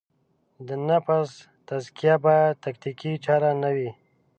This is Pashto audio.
د نفس تزکیه باید تکتیکي چاره نه وي.